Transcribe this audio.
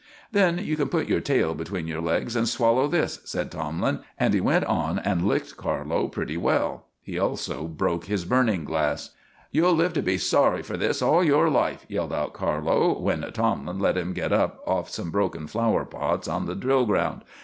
"Then you can put your tail between your legs and swallow this," said Tomlin, and he went on and licked Carlo pretty well. He also broke his burning glass. "You'll live to be sorry for this all your life!" yelled out Carlo, when Tomlin let him get up off some broken flower pots on the drill ground.